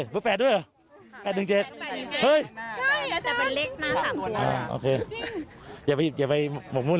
บอกว่าเลขทะเบียนรถได้การ